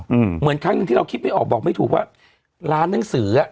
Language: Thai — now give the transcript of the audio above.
เหมือนครั้งหนึ่งที่เราคิดไม่ออกบอกไม่ถูกว่าร้านหนังสืออ่ะ